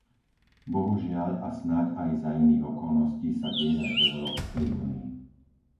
Bohužiaľ a snáď aj za iných okolností sa deje aj v Európskej únii.